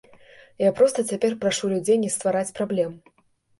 Я проста цяпер прашу людзей не ствараць праблем.